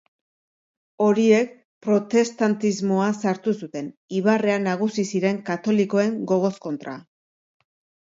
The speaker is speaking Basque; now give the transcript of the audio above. Horiek protestantismoa sartu zuten, ibarrean nagusi ziren katolikoen gogoz kontra.